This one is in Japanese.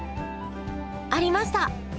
ありました！